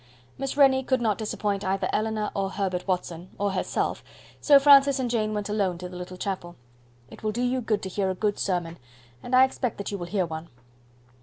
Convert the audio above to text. Miss Rennie could not disappoint either Eleanor or Herbert Watson, or herself; so Francis and Jane went alone to the little chapel. "It will do you good to hear a good sermon, and I expect that you will hear one."